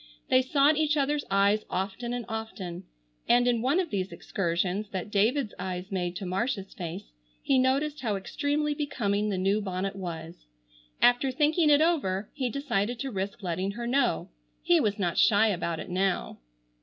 They sought each other's eyes often and often, and in one of these excursions that David's eyes made to Marcia's face he noticed how extremely becoming the new bonnet was. After thinking it over he decided to risk letting her know. He was not shy about it now.